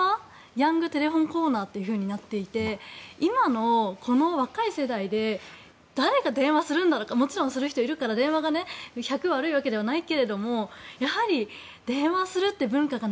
ヤング・テレホン・コーナーとなっていて今のこの若い世代で誰が電話するんだともちろんする人いるから電話が１００悪いわけじゃないけどやはり電話するって文化が